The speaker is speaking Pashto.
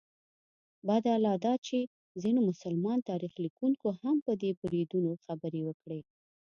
بده لا دا چې ځینو مسلمان تاریخ لیکونکو هم په دې بریدونو خبرې وکړې.